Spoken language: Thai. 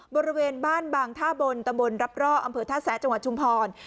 บริเวณบ้านบางท่าบนตำบลรับร่ออำเภอท่าแซะจังหวัดชุมพร